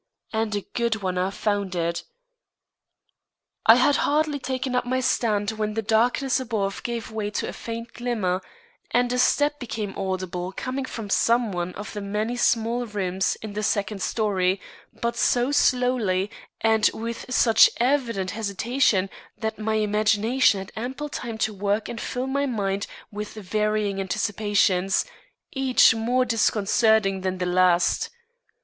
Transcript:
And a good one I found it. I had hardly taken up my stand when the darkness above gave way to a faint glimmer, and a step became audible coming from some one of the many small rooms in the second story, but so slowly and with such evident hesitation that my imagination had ample time to work and fill my mind with varying anticipations, each more disconcerting than the last.